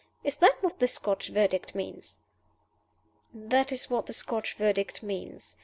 Is that what the Scotch Verdict means?" "That is what the Scotch Verdict means.